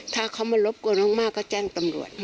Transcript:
ถ้าเขามารบกวนมากก็แจ้งตำรวจ